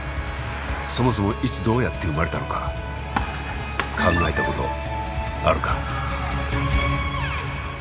そもそもいつどうやって生まれたのか考えたことあるか？